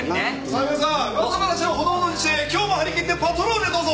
さあ皆さん噂話はほどほどにして今日も張り切ってパトロールへどうぞ！